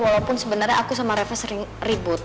walaupun sebenarnya aku sama reva sering ribut